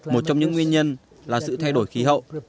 một trong những nguyên nhân là sự thay đổi khí hậu